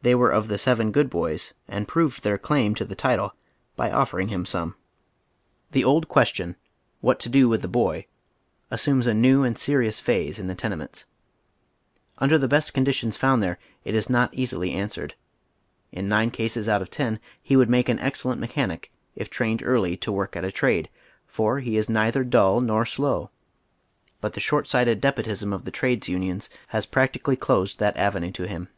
They were of the seven good boys and proved their claim to the title by offering him oy Google THE PROBLEM OF THE CHILDREN. 181 The old question, what to do with tiie boy, assumes a new and serious phase in the teneineiils. Under tlie best conditions found there, it is not easily answered. In nine cases out of ten he would make an excellent mechanic, if trained early to woi'k at a trade, for he is neither dull nor slow, but the short sighted despotism of the trades unions has practicaliy closed that avenue to him.